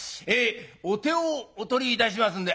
お手をお取りいたしますんで」。